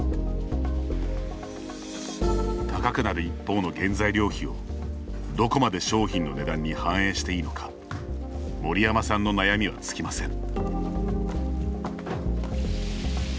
高くなる一方の原材料費をどこまで商品の値段に反映していいのか森山さんの悩みは尽きません。